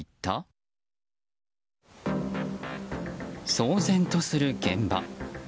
騒然とする現場。